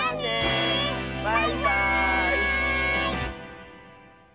バイバーイ！